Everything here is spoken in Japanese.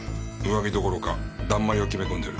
上着どころかだんまりを決め込んでる。